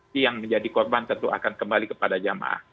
si yang menjadi korban tentu akan kembali kepada jamaah